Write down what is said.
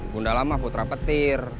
bunda lama putra petir